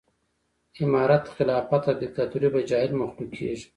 امارت خلافت او ديکتاتوري به جاهل مخلوق کېږي